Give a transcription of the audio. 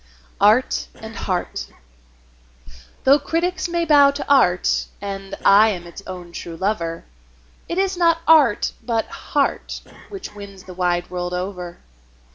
ART AND HEART. Though critics may bow to art, and I am its own true lover, It is not art, but heart, which wins the wide world over.